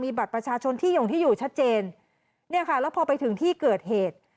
มีบัตรประชาชนที่อยู่ชัดเจนนี่ค่ะแล้วพอไปถึงที่เกิดเหตุ